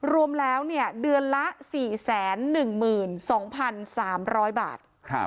รวมแล้วเดือนละ๔๑๒๓๐๐บาท